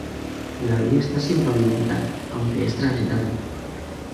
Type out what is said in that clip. La vía está sin pavimentar aunque es Transitable.